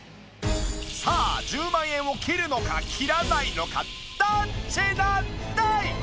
さあ１０万円を切るのか切らないのかどっちなんだい！？